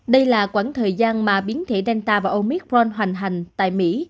đây là quãng thời gian mà biến thể danta và omicron hoành hành tại mỹ